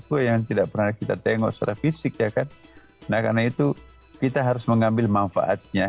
gue yang tidak pernah kita tengok secara fisik ya kan nah karena itu kita harus mengambil manfaatnya